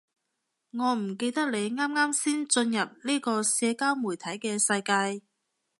我唔記得你啱啱先進入呢個社交媒體嘅世界